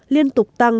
liên tục tăng